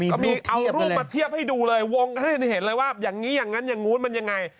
ก็มีเอารูปมาเทียบให้ดูเลยวงให้เห็นเลยว่าอย่างนี้อย่างนั้นอย่างนู้นมันยังไง